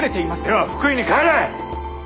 では福井に帰れ！